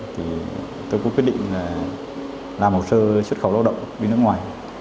thì tôi cũng quyết định là làm hồ sơ xuất khẩu lao động đi nước ngoài